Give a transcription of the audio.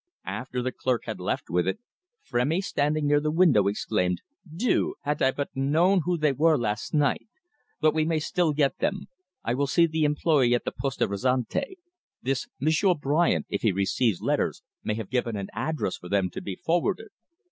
After the clerk had left with it, Frémy, standing near the window, exclaimed: "Dieu! Had I but known who they were last night! But we may still get them. I will see the employée at the Poste Restante. This Monsieur Bryant, if he receives letters, may have given an address for them to be forwarded."